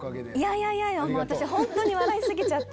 いやいや私本当に笑い過ぎちゃって。